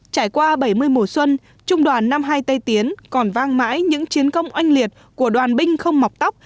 trải qua bảy mươi mùa xuân trung đoàn năm mươi hai tây tiến còn vang mãi những chiến công oanh liệt của đoàn binh không mọc tóc